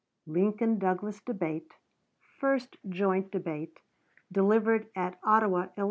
LINCOLN DOUGLAS DEBATE FIRST JOINT DEBATE, DELIVERED AT OTTAWA, ILL.